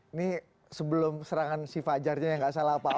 ini sebelum serangan si fajarnya yang gak salah apa apa